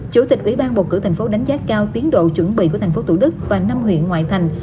chủ tịch ủy ban bầu cử tp đánh giá cao tiến độ chuẩn bị của tp thủ đức và năm huyện ngoại thành